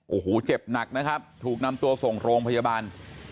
โอ้โหเจ็บหนักนะครับถูกนำตัวส่งโรงพยาบาล